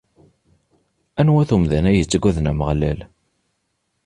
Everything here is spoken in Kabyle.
Anwa-t umdan-a i yettaggaden Ameɣlal?